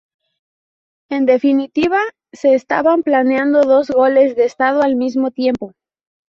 En definitiva, se estaban planeando dos golpes de Estado al mismo tiempo.